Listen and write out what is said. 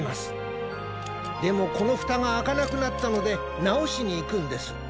でもこのふたがあかなくなったのでなおしにいくんです。